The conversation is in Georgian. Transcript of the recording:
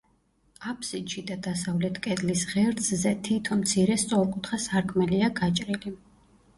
აფსიდში და დასავლეთ კედლის ღერძზე თითო მცირე, სწორკუთხა სარკმელია გაჭრილი.